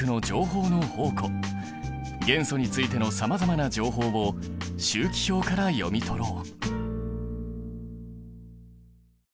元素についてのさまざまな情報を周期表から読み取ろう！